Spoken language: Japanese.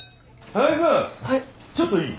ちょっといい？